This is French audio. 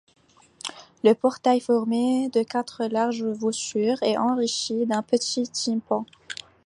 Le portail, formé de quatre larges voussures, est enrichi d’un petit tympan.